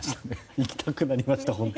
行きたくなりました。